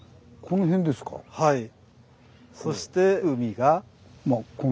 はい。